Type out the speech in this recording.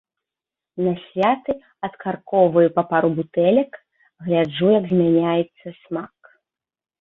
На святы адкаркоўваю па пару бутэлек, гляджу, як змяняецца смак.